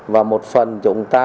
và một phần chúng ta